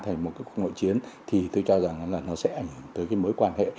thành một cái cuộc nội chiến thì tôi cho rằng là nó sẽ ảnh hưởng tới cái mối quan hệ